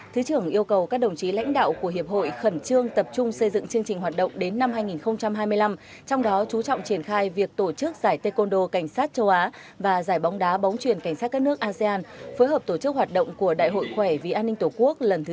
thứ trưởng yêu cầu các đồng chí lãnh đạo của hiệp hội khẩn trương tập trung xây dựng chương trình hoạt động đến năm hai nghìn hai mươi năm trong đó chú trọng triển khai việc tổ chức giải đô cảnh sát châu á và giải bóng đá bóng truyền cảnh sát các nước asean phối hợp tổ chức hoạt động của đại hội khỏe vì an ninh tổ quốc lần thứ ba mươi